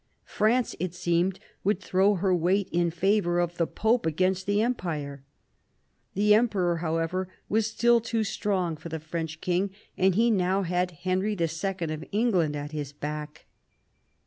France, it seemed, would throw her weight in favour of the pope against the Empire. The emperor, however, was still too strong for the French king, and he now had Henry II. of England at his back.